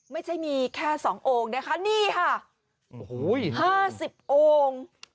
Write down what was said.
ไม่ใช่มีแค่สององค์นะคะนี่ค่ะโอ้โหห้าสิบโอ่ง